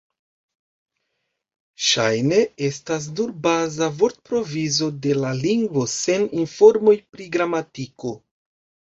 Ŝajne estas nur baza vortprovizo de la lingvo, sen informoj pri gramatiko.